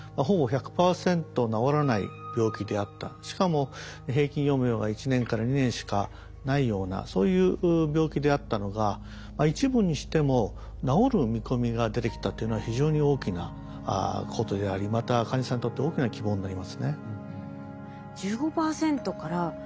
しかも平均余命が１年から２年しかないようなそういう病気であったのが一部にしても治る見込みが出てきたっていうのは非常に大きなことでありまた患者さんにとって大きな希望になりますね。